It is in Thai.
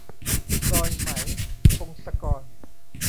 รอยไหม - พงศกร